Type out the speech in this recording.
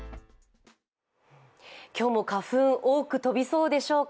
今日も花粉、多く飛びそうでしょうか。